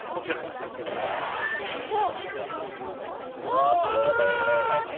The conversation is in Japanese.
大きい！